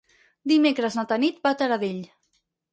Dimecres na Tanit va a Taradell.